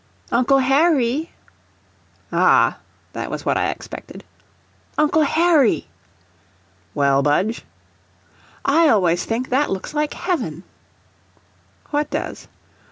"Uncle Harry!" Ah, that was what I expected! "Uncle Harry!" "Well, Budge?" "I always think that looks like heaven." "What does?"